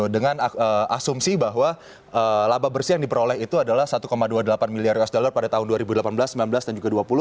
dengan asumsi bahwa laba bersih yang diperoleh itu adalah satu dua puluh delapan miliar usd pada tahun dua ribu delapan belas sembilan belas dan juga dua ribu dua puluh